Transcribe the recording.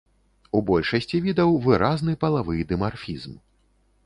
У большасці відаў выразны палавы дымарфізм.